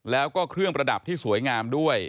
แล้วก็เครื่องประดับที่สวยงามด้วย